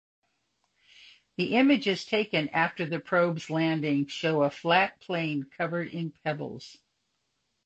The images taken after the probe's landing show a flat plain covered in pebbles.